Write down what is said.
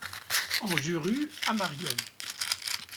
En Jurue à Marieulles